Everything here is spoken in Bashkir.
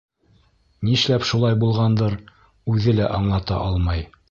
Нишләп шулай булғандыр, үҙе лә аңлата алмай.